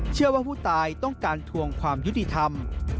เชื่อว่าผู้ตายต้องการทวงความยุติธรรม